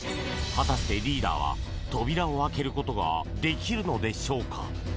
果たしてリーダーは扉を開けることができるのでしょうか？